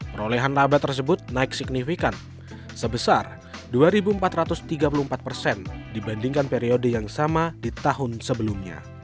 perolehan laba tersebut naik signifikan sebesar dua empat ratus tiga puluh empat persen dibandingkan periode yang sama di tahun sebelumnya